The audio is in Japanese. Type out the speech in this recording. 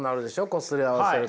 こすり合わせると。